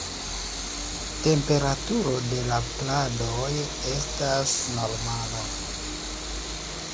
Temperaturo de la pladoj estas normala.